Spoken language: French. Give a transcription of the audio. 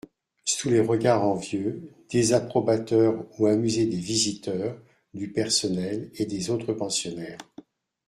Sous les regards envieux, désapprobateurs ou amusés des visiteurs, du personnel et des autres pensionnaires